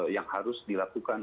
yang harus dilakukan